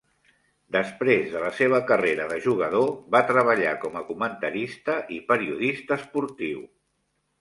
Després de la seva carrera de jugador, va treballar com a comentarista i periodista esportiu.